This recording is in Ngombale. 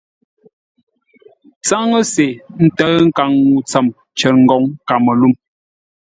Tsáŋə́se ntə̂ʉ nkaŋ-ŋuu ntsəm cər ngoŋ Káməlûm.